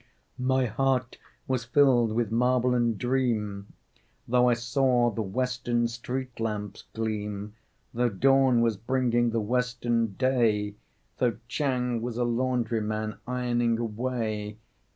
My heart was filled with marvel and dream, Though I saw the western street lamps gleam, Though dawn was bringing the western day, Though Chang was a laundryman ironing away....